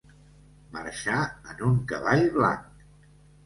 Marxar en un cavall blanc.